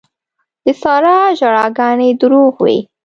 د سارا ژړاګانې دروغ وې.